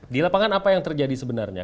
di lapangan apa yang terjadi sebenarnya